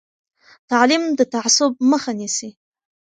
تعلیم د تعصب مخه نیسي.